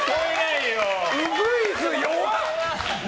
ウグイス弱っ！